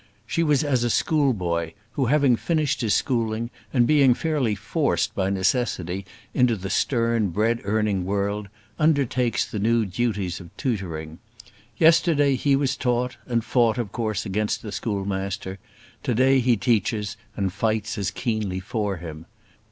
She was as a schoolboy, who, having finished his schooling, and being fairly forced by necessity into the stern bread earning world, undertakes the new duties of tutoring. Yesterday he was taught, and fought, of course, against the schoolmaster; to day he teaches, and fights as keenly for him.